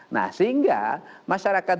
nah sehingga masyarakat